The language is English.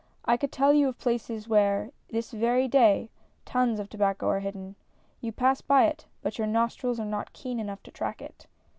I could tell you of places where, this very day, tons of tobacco are hidden. You pass by it, but your nostrils A FISH SUPPER. 23 are not keen enough to track it.